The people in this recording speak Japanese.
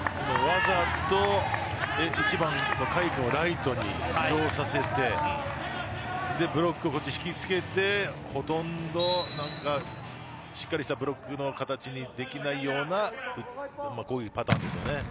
わざと１番の甲斐君をライトに移動させてブロックを引きつけてほとんどしっかりしたブロックの形にできないようなこういうパターンですね。